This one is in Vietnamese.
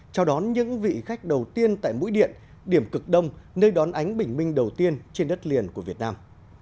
chào đón những vị khách đầu tiên tại mũi điện điểm cực đông nơi đón ánh bình minh đầu tiên trên đất liền của việt nam